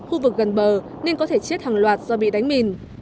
khu vực gần bờ nên có thể chết hàng loạt do bị đánh mìn